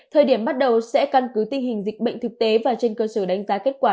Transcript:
thời điểm bắt đầu sẽ căn cứ tình hình dịch bệnh thực tế và trên cơ sở đánh giá kết quả